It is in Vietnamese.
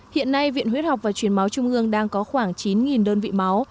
hiện nay viện huyết học và truyền máu trung ương đang có khoảng chín đơn vị máu